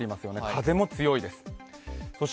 風も強いです。